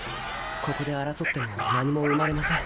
ここで争っても何も生まれません。